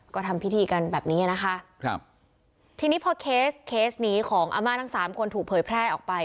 ก็ทำพิธีกันแบบนี้นะคะครับทีนี้พอเคสเคสนี้ของอาม่าทั้งสามคนถูกเผยแพร่ออกไป